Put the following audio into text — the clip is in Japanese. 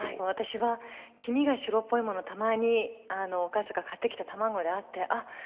私は黄身が白っぽいものをたまにお母さんが買ってきた卵であってあっ